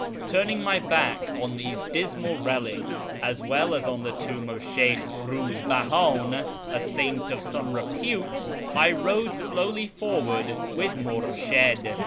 Turning my back on these dismal relics, as well as on the tomb of Sheykh Paiz bahan, a saint of some repute, I rode slowly forward with Murshid.